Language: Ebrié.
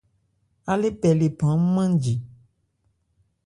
Á lê pɛ lephan nmánji.